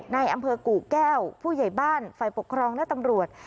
ในอำเภอกู่แก้วผู้ใหญ่บ้านฝ่ายปกครองและตำรวจ